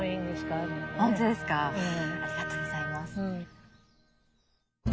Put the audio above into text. ありがとうございます。